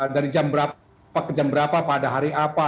dari jam berapa ke jam berapa pada hari apa